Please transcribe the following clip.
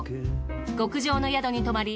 極上の宿に泊まり